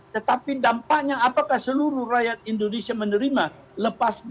tetapi dampaknya apakah seluruh rakyat indonesia menerima